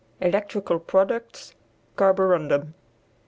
ELECTRICAL PRODUCTS CARBORUNDUM.